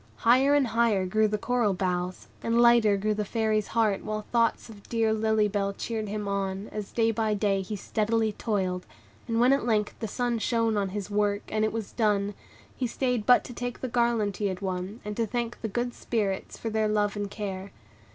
Higher and higher grew the coral boughs, and lighter grew the Fairy's heart, while thoughts of dear Lily Bell cheered him on, as day by day he steadily toiled; and when at length the sun shone on his work, and it was done, he stayed but to take the garland he had won, and to thank the good Spirits for their love and care.